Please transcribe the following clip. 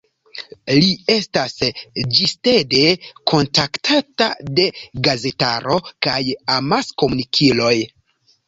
Li estas ĝistede kontaktata de gazetaro kaj amaskomunikiloj.